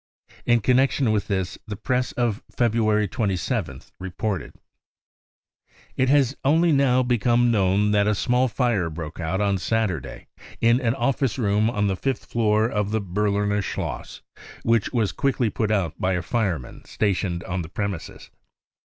In connection with this the Press of February 27th reported : c< It has only now become known that a small fire broke out on Saturday in an office room on the fifth floor of the Berliner Schloss, which was quickly put out by a fireman stationed ori the premises.